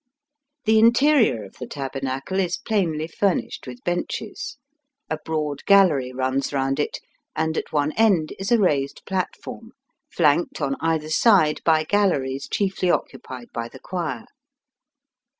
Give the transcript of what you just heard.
The interior of the Taber nacle is plainly furnished with benches; a 'broad gallery runs round it, and at one end is a raised platform, flanked on either side by galleries chiefly occupied by the choir.